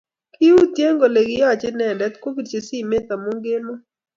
kiutye kele kiyoche inendet kobirchi simet amut kemoi